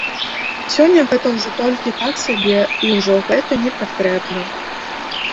Сёння гэта ўжо толькі так сабе і ўжо гэта непатрэбна.